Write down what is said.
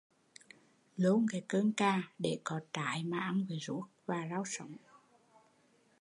Lôn cái cơn cà để có trái mà ăn với ruốc và rau sống